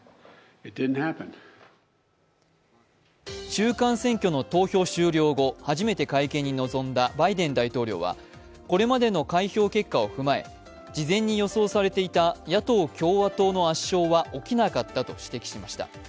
中間選挙の投票完了後バイデン大統領はこれまでの開票結果を踏まえ事前に予想されていた野党・共和党の圧勝は起きなかったと指摘しました。